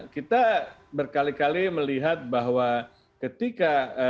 kita berkali kali melihat bahwa ketika